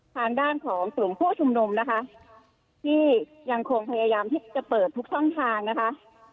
ทางด้านของกลุ่มผู้ชุมนุมนะคะที่ยังคงพยายามที่จะเปิดทุกช่องทางนะคะ